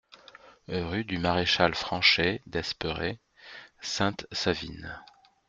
Rue du Maréchal Franchet d'Esperey, Sainte-Savine